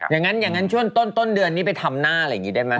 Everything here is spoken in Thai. อย่างนั้นเราก็ช่วงต้นเดือนนี้ไปทำหน้าอะไรเหมือนงี้ได้ไหม